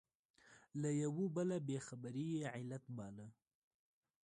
له یوه بله بې خبري یې علت باله.